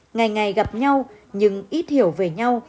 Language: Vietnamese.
ngày ngày gặp nhau nhưng ít hiểu về nhau